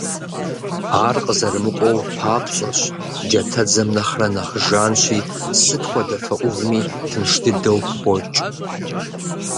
Ар къызэрымыкӀуэу папцӀэщ, джатэдзэм нэхърэ нэхъ жанщи, сыт хуэдэ фэ Ӏувми тынш дыдэу пхокӀ.